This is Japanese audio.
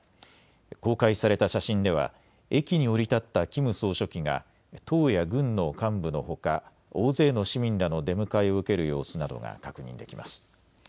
公開された写真では駅に降り立ったキム総書記が党や軍の幹部のほか大勢の市民らの出迎えを受ける様子などが確認できます。